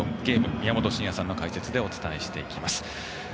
宮本慎也さんの解説でお伝えします。